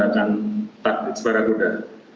dan juga menggunakan empat unit separah kuda